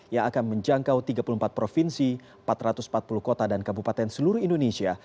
yang akan menjangkau tiga puluh empat provinsi empat ratus empat puluh kota dan kabupaten seluruh indonesia